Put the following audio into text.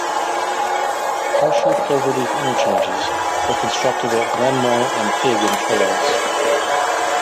Partial cloverleaf interchanges were constructed at Glenmore and Peigan Trails.